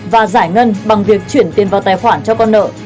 và giải ngân bằng việc chuyển tiền vào tài khoản cho con nợ